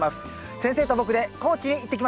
先生と僕で高知へ行ってきました。